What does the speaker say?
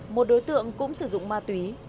một đối tượng cũng sử dụng ma túy